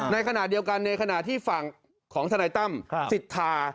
ในขณะเดียวกันในขณะที่ฝั่งของทนายตั้มสิทธา